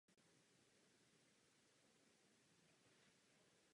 V obci také působí několik umělců.